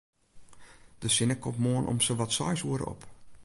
De sinne komt moarn om sawat seis oere op.